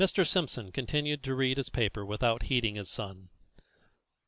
Simpson continued to read his paper without heeding his son.